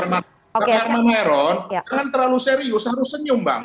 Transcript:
pak herman meron jangan terlalu serius harus senyum bang